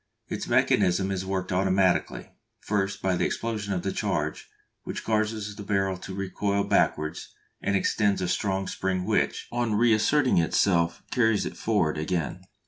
Its mechanism is worked automatically; first by the explosion of the charge, which causes the barrel to recoil backwards and extends a strong spring which, on reasserting itself, carries it forwards again.